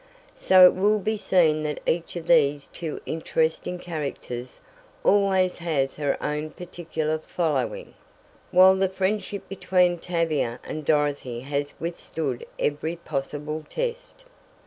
So it will be seen that each of these two interesting characters always has her own particular following, while the friendship between Tavia and Dorothy has withstood every possible test.